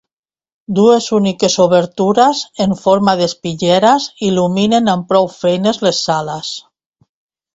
Dues úniques obertures en forma d'espitlleres il·luminen amb prou feines les sales.